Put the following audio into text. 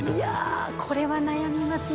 いやあこれは悩みますね。